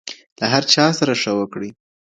له هر چا سره ښه وکړئ.